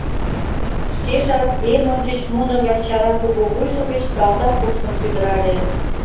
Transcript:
Шкежак эн ончыч муно гай чара кугу вуйжо гыч салтак упшым шӱдырале.